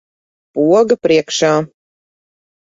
Poga priekšā.